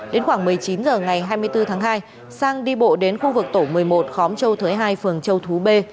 đến khoảng một mươi chín h ngày hai mươi bốn tháng hai sang đi bộ đến khu vực tổ một mươi một khóm châu thới hai phường châu thú b